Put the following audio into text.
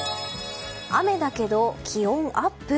雨だけど、気温アップ。